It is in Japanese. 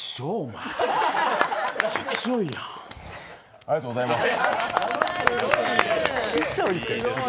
ありがとうございます。